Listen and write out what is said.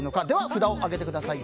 札を上げてください。